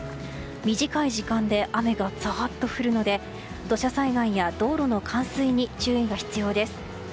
短い時間で雨がザッと降るので土砂災害や道路の冠水に注意が必要です。